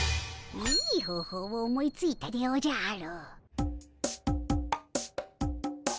いい方法を思いついたでおじゃる！